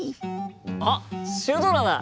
あっシュドラだ！